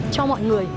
cho mọi người